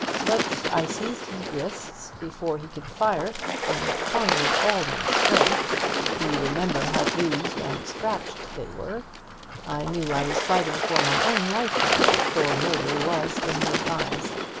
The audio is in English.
But I seized his wrists before he could fire, and clung with all my strength you remember how bruised and scratched they were. I knew I was fighting for my own life now, for murder was in his eyes.